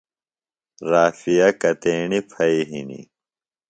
رافعہ کتیݨی پھئیۡ ہِنیۡ؟